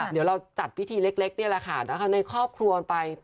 เดี๋ยวเราจัดพิธีเล็กนี่แหละค่ะในครอบครัวไป